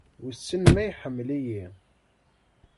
Wissen ma iḥemmel-iyi.